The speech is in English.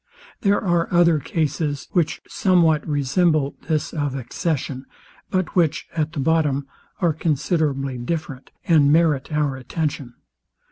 There are other cases, which somewhat resemble this of accession, but which, at the bottom, are considerably different, and merit our attention.